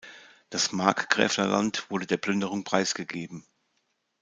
Das Markgräflerland wurde der Plünderung preisgegeben.